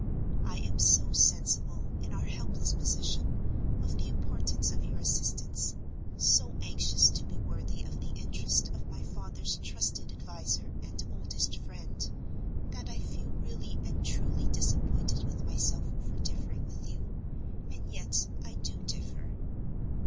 I am so sensible, in our helpless position, of the importance of your assistance; so anxious to be worthy of the interest of my father's trusted adviser and oldest friend, that I feel really and truly disappointed with myself for differing with you—and yet I do differ.